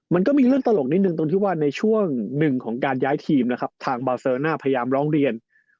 มันก็มีเรื่องตลกนิดนึงตรงที่ว่าในช่วงหนึ่งของการย้ายทีมนะครับทางบาเซอร์น่าพยายามร้องเรียน